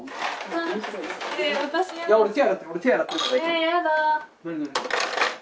えっやだ。